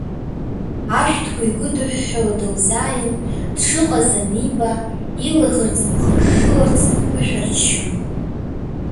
Ашәҭқәа игәыдыҳәҳәала дылзааин, дшыҟаз аниба, илаӷырӡ мхыжжыларц, дԥышәырччон.